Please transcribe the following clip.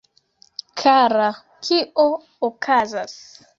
Kara, kio okazas?